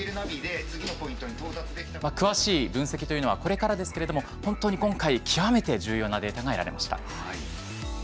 詳しい分析というのはこれからですけれども本当に今回極めて重要なデータが得られました。